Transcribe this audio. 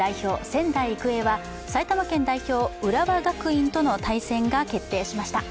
仙台育英は埼玉県代表浦和学院との対戦が決定しました。